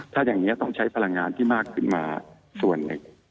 ถ้าอย่างนี้ต้องใช้พลังงานที่มากขึ้นมาส่วนหนึ่ง